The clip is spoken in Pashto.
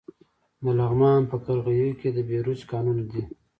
د لغمان په قرغیو کې د بیروج کانونه دي.